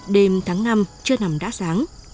đêm tháng năm chưa nằm đá sáng